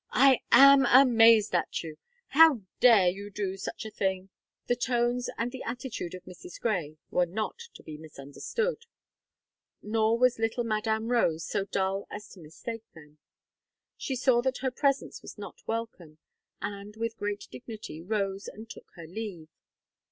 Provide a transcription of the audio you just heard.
"I am amazed at you. How dare you do sich a thing!" The tones and the attitude of Mrs. Gray were not to be misunderstood; nor was little Madame Rose so dull as to mistake them. She saw that her presence was not welcome, and, with great dignity, rose and took her leave.